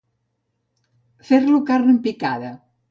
Fer-lo carn picada.